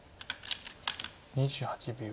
２８秒。